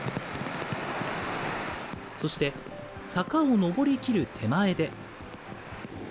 そして、坂を上りきる手前で。